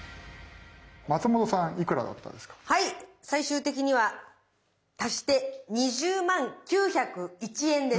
最終的には足して２０万９０１円です。